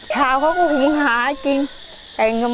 ข่าวเขาก็หุงหาจริง